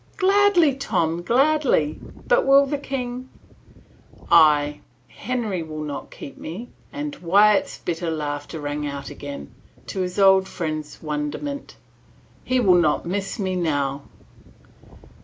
"" Gladly, Tom, gladly. But will the king—" " Aye,. Henry will not keep me," and Wyatt's bitter laugh rang out again, to his old friend's wonderment. " He will not miss me now."